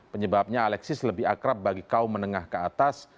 penyebabnya alexis lebih akrab bagi kaum menengah ke atas